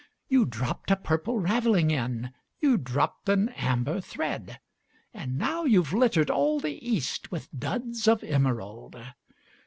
You dropped a purple ravelling in, You dropped an amber thread; And now you 've littered all the East With duds of emerald!